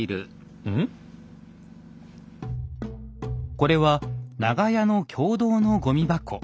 これは長屋の共同のごみ箱。